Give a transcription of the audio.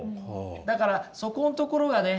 だからそこんところがね